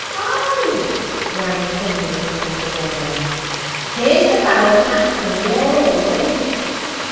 "Ay!" rang thinly from round the corner. "Here's the barrel tapped, and we all a waiting!"